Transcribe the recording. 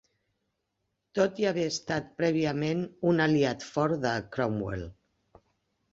Tot i haver estat prèviament un aliat fort de Cromwell.